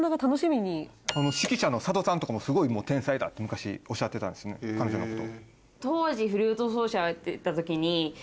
指揮者の佐渡さんとかもすごい天才だって昔おっしゃってたんです彼女のこと。